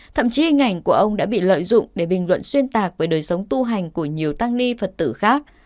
thậm chí hình ảnh của ông đã bị lợi dụng để bình luận xuyên tạc về đời sống tu hành của nhiều tăng ni phật tử khác